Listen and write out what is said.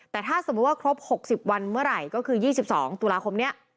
แต่ถ้าสมมุติว่าครบหกสิบวันเมื่อไหร่ก็คือยี่สิบสองตุลาคมเนี้ย